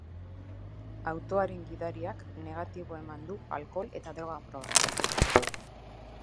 Autoaren gidariak negatibo eman du alkohol eta droga proban.